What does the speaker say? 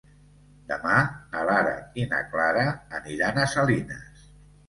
Demà na Lara i na Clara aniran a Salines.